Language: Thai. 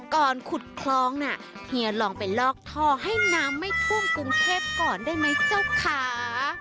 ก่อนขุดคลองน่ะเฮียลองไปลอกท่อให้น้ำไม่ท่วมกรุงเทพก่อนได้ไหมเจ้าขา